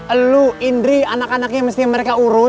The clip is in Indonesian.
elu indri anak anaknya yang mesti mereka urus